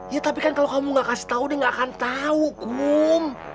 ya tapi kan kalau kamu gak kasih tau dia gak akan tahu mum